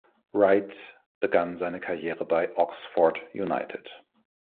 Wright begann seine Karriere bei Oxford United.